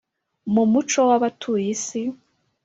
nu muco w’abatuye isi,